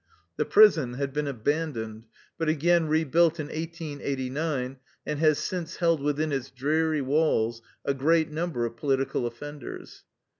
The prison had been abandoned, but again re built in 1889 and has since held within its dreary walls a great number of political of fenders.